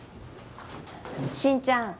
慎ちゃん